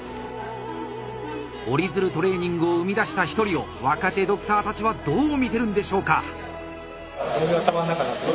折り鶴トレーニングを生み出した一人を若手ドクターたちはどう見てるんでしょうか？